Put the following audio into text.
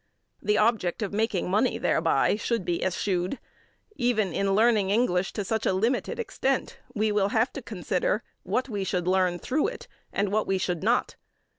The object of making money thereby should be eschewed. Even in learning English to such a limited extent we will have to consider what we should learn through it and what we should not.